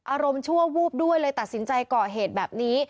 อารมณ์ชั่ววูบด้วยเลยตัดสินใจก่อเหตุแบบนี้